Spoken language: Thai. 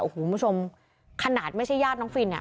โอ้โหคุณผู้ชมขนาดไม่ใช่ญาติน้องฟิน